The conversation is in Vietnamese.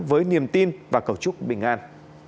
với niềm tin và cầu chúc bình an